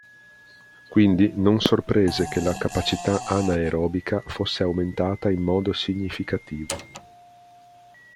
Quindi non sorprese che la capacità anaerobica fosse aumentata in modo significativo.